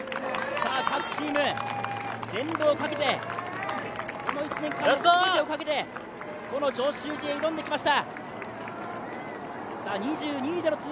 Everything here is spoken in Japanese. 各チーム全部をかけて、この１年間全てをかけてこの上州路へ挑んできました。